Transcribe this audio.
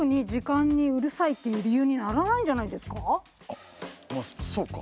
あっまあそうか。